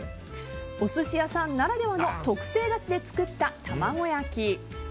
お寿司屋さんならではの特製だしで作った、たまご焼き。